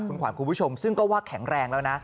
คุณขวัญคุณผู้ชมซึ่งก็ว่าแข็งแรงแล้วนะ